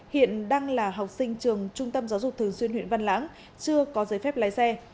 hiện đang là học sinh trường trung tâm giáo dục thường xuyên huyện văn lãng chưa có giấy phép lái xe